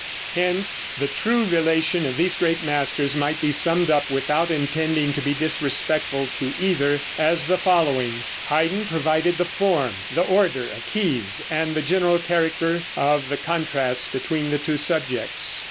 Hence the true relation of these great masters might be summed up without intending to be disrespectful to either, as the following: Haydn provided the form, the order of keys and the general character of the contrasts between the two subjects.